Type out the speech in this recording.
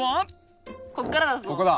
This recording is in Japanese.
こっからだぞ。